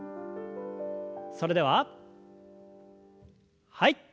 それでははい。